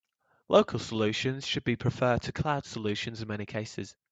Local solutions should be preferred to cloud solutions in many cases.